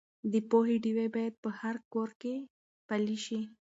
د پوهې ډیوې باید په هر کور کې بلې شي.